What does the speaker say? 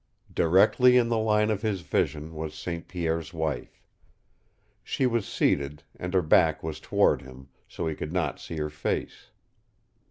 Directly in the line of his vision was St. Pierre's wife. She was seated, and her back was toward him, so he could not see her face.